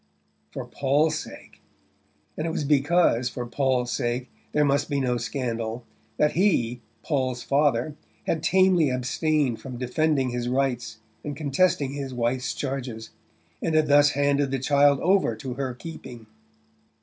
For Paul's sake! And it was because, for Paul's sake, there must be no scandal, that he, Paul's father, had tamely abstained from defending his rights and contesting his wife's charges, and had thus handed the child over to her keeping!